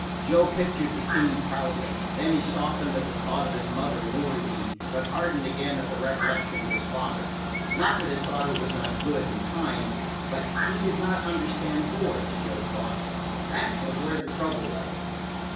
Joe pictured the scene proudly. Then he softened at the thought of his mother worrying, but hardened again at the recollection of his father. Not that his father was not good and kind; but he did not understand boys, Joe thought. That was where the trouble lay.